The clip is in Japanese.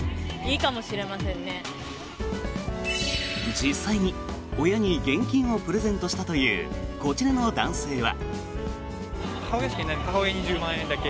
実際に親に現金をプレゼントしたというこちらの男性は。